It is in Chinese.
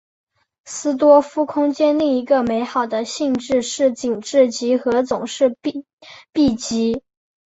豪斯多夫空间另一个美好的性质是紧致集合总是闭集。